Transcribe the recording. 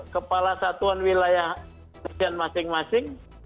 kepala satuan wilayah masing masing